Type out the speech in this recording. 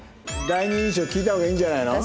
第二印象聞いた方がいいんじゃないの？